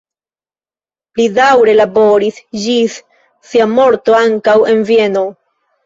Li daŭre laboris ĝis sia morto ankaŭ en Vieno.